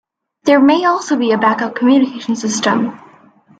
There may also be a backup communications system.